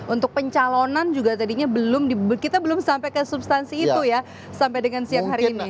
untuk pencalonan juga tadinya belum kita belum sampai ke substansi itu ya sampai dengan siang hari ini